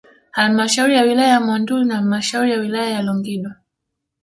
Halmashauri ya wilaya ya Monduli na halmashauri ya wilaya ya Longido